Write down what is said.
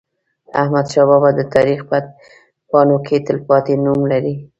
احمدشاه بابا د تاریخ په پاڼو کې تلپاتې نوم لري.